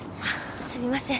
すみません。